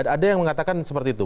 ada yang mengatakan seperti itu